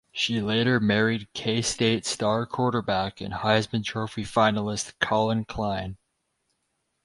She later married K-State star quarterback and Heisman Trophy finalist Collin Klein.